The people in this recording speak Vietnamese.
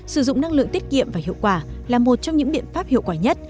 sử dụng năng lượng tiết kiệm và hiệu quả là một trong những biện pháp hiệu quả nhất